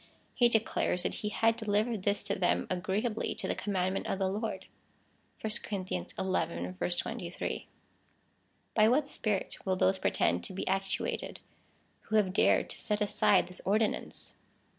He declares that he had deli vered this to them agreeably to the commandment of the Lord, (verse 23.) By what spirit will those pretend to be actuated, who have dared to set aside this ordinance